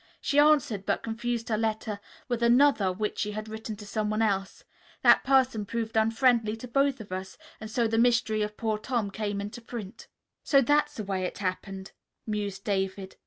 She answered, but confused her letter with another which she had written to someone else. That person proved unfriendly to both of us, and so the mystery of poor Tom came into print." "So that's the way it happened," mused David.